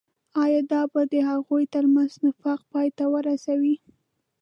آيا دا به د هغوي تر منځ نفاق پاي ته ورسوي.